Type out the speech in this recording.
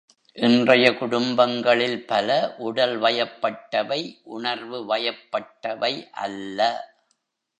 இன்றைய குடும்பங்களில் பல, உடல் வயப்பட்டவை உணர்வுவயப்பட்டவை அல்ல.